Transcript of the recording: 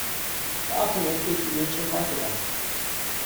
Dafür möchte ich Ihnen schon heute danken.